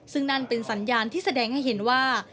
ซึ่งนั่นเป็นสัญญาณที่แสดงให้เห็นว่า